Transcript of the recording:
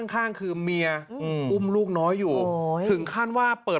ข้างคือเมียอืมอุ้มลูกน้อยอยู่ถึงขั้นว่าเปิด